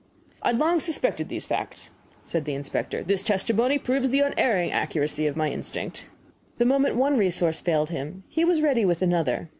"I had long suspected these facts," said the inspector; "this testimony proves the unerring accuracy of my instinct." The moment one resource failed him he was ready with another.